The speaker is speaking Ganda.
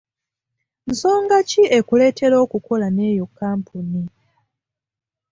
Nsonga ki ekuleetera okukola n'eyo kkampuni?